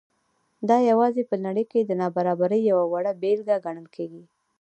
دا یوازې په نړۍ کې د نابرابرۍ یوه وړه بېلګه ګڼل کېږي.